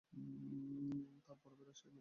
তার বড় ভাই রাজশাহী মেডিকেল কলেজে পড়ে।